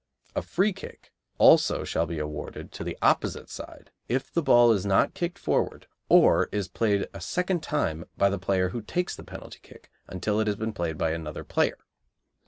A free kick also shall be awarded to the opposite side if the ball is not kicked forward or is played a second time by the player who takes the penalty kick until it has been played by another player.